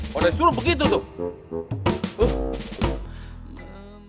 kau udah disuruh begitu tuh